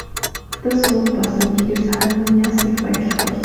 Хотод суух болсон гэхээр Саран маань яасан их баярлах бол.